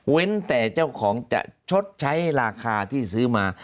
แต่เจ้าของจะชดใช้ราคาที่ซื้อมา